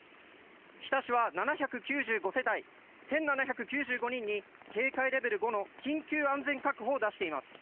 日田市は７９５世帯１７９５人に警戒レベル５の緊急安全確保を出しています。